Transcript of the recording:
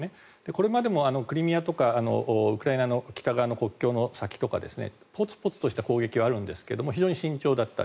これまでもクリミアとかウクライナの北側の国境の先とかポツポツとした攻撃はあったんですが慎重であった。